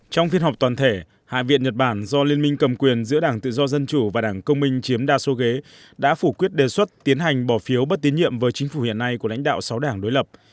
trong phiên họp toàn thể hạ viện nhật bản do liên minh cầm quyền giữa đảng tự do dân chủ và đảng công minh chiếm đa số ghế đã phủ quyết đề xuất tiến hành bỏ phiếu bất tín nhiệm với chính phủ hiện nay của lãnh đạo sáu đảng đối lập